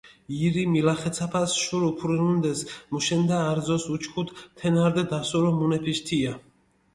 ირი მილახეცაფას შური უფურინუნდეს, მუშენდა არძოს უჩქუდჷ, თენა რდჷ დასურო მუნეფიშ თია.